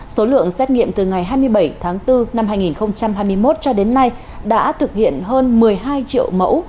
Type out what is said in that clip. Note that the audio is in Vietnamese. số lượng xét nghiệm từ ngày hai mươi bảy tháng bốn năm hai nghìn hai mươi một cho đến nay đã thực hiện hơn một mươi hai triệu mẫu